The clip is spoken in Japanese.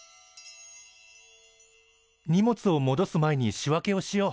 荷物をもどす前に仕分けをしよう。